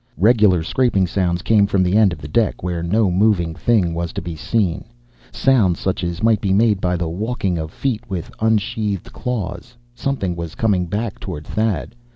Regular scraping sounds came from the end of the deck, where no moving thing was to be seen sounds such as might be made by the walking of feet with unsheathed claws. Something was coming back toward Thad.